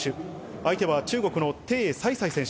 相手は中国のテイ・サイサイ選手。